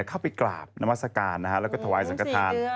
เข้าไปกราบนามัศกาลแล้วก็ถวายสังกฐาน